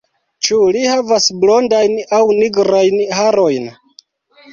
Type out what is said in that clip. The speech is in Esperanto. Ĉu li havas blondajn aŭ nigrajn harojn?